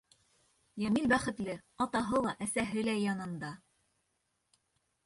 Йәмил бәхетле, атаһы ла, әсәһе лә янында.